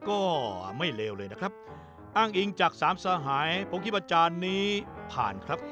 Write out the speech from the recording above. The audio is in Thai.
ก็ไม่เลวเลยนะครับอ้างอิงจากสามสหายผมคิดว่าจานนี้ผ่านครับ